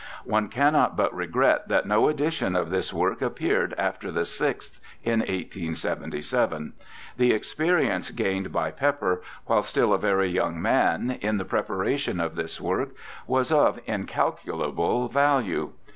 One cannot but regret that no edition of this work appeared after the sixth, in 1877. The experience gained by Pepper, while still a very young man, in the preparation of this work, was of incalculable value.